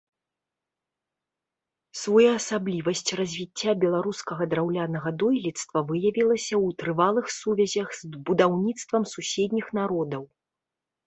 Своеасаблівасць развіцця беларускага драўлянага дойлідства выявілася ў трывалых сувязях з будаўніцтвам суседніх народаў.